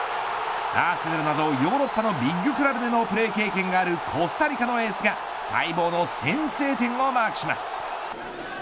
アーセナルなどヨーロッパのビッグクラブでのプレー経験があるコスタリカのエースが待望の先制点をマークします。